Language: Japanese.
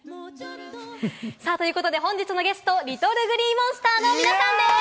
本日のゲスト、ＬｉｔｔｌｅＧｌｅｅＭｏｎｓｔｅｒの皆さんです。